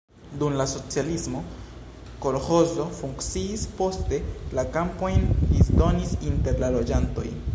Dum la socialismo kolĥozo funkciis, poste la kampojn disdonis inter la loĝantoj.